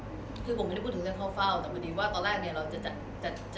ไม่ใช่ครับคือผมไม่ได้พูดถึงเรื่องเข้าเฝ้าแต่พอดีว่าตอนแรกเนี่ย